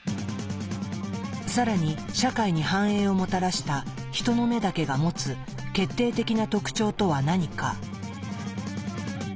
更に社会に繁栄をもたらしたヒトの目だけが持つ決定的な特徴とは何か。